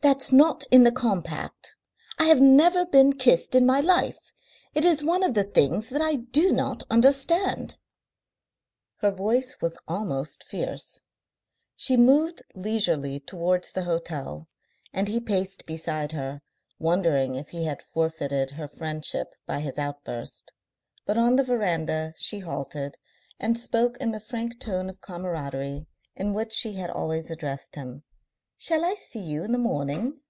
That's not in the compact. I have never been kissed in my life. It is one of the things that I do not understand." Her voice was almost fierce. She moved leisurely towards the hotel, and he paced beside her wondering if he had forfeited her friendship by his outburst, but on the verandah she halted and spoke in the frank tone of camaraderie in which she had always addressed him. "Shall I see you in the morning?"